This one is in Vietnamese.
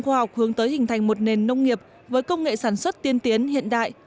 khoa học hướng tới hình thành một nền nông nghiệp với công nghệ sản xuất tiên tiến hiện đại